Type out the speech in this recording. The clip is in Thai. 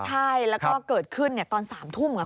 ใช่แล้วก็เกิดขึ้นตอน๓ทุ่มค่ะ